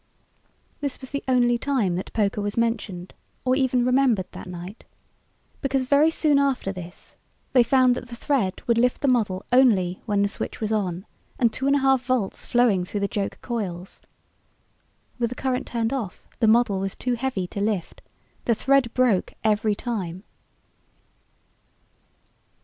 This was the only time that poker was mentioned or even remembered that night. Because very soon after this they found that the thread would lift the model only when the switch was on and two and a half volts flowing through the joke coils. With the current turned off the model was too heavy to lift. The thread broke every time.